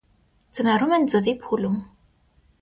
Ձմեռում են ձվի փուլում։